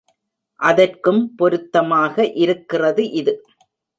அதற்கும் பொருத்தமாக இருக்கிறது இது.